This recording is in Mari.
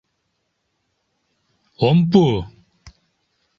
Ом пу...